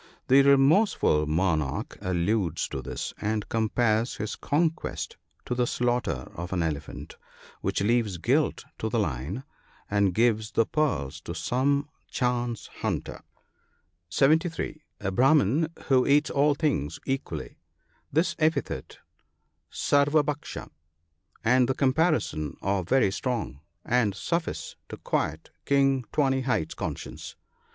The remorseful monarch alludes to this, and compares his conquest to the slaughter of an elephant, which leaves guilt to the lion, and gives the pearls to some chance hunter. (730 " A Brahman that eats all things equally." — This epithet, " sar wabha&sha" and the comparison, are very strong, and suffice to 1 56 NOTES. quiet King Tawny hide's conscience.